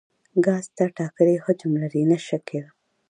ګاز نه ټاکلی حجم لري نه شکل.